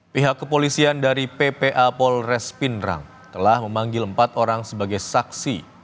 pihak kepolisian dari ppa polres pindrang telah memanggil empat orang sebagai saksi